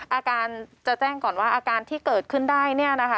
อาการจะแจ้งก่อนว่าอาการที่เกิดขึ้นได้